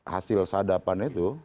hasil penyadapan itu